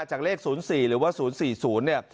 จากเลข๐๔หรือว่า๐๔๐เนี่ย